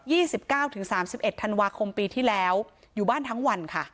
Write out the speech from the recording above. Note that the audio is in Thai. สิบเก้าถึงสามสิบเอ็ดธันวาคมปีที่แล้วอยู่บ้านทั้งวันค่ะ